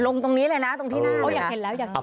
ลงตรงนี้เลยนะตรงที่หน้า